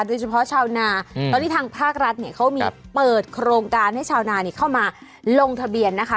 โดยเฉพาะชาวนาตอนนี้ทางภาครัฐเนี่ยเขามีเปิดโครงการให้ชาวนาเข้ามาลงทะเบียนนะคะ